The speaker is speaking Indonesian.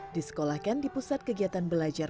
disekolahkan di pusat kegiatan belajar